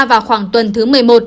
vào khoảng tuần thứ một mươi một